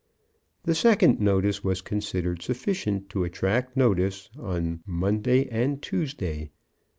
The second notice was considered sufficient to attract notice on Monday and Tuesday.